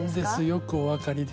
よくお分かりです。